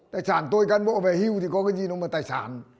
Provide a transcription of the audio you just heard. tài sản tôi cán bộ về hưu thì có cái gì đâu mà tài sản